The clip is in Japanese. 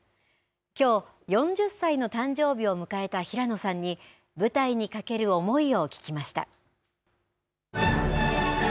きょう、４０歳の誕生日を迎えた平野さんに、舞台にかける思いを聞きました。